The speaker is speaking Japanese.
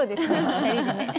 ２人でね。